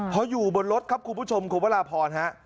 พออยู่บนรถครับคุณผู้ชมคุณวราพรฮะ